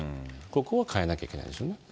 ここを変えなきゃいけないでしょ